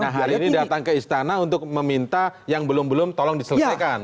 nah hari ini datang ke istana untuk meminta yang belum belum tolong diselesaikan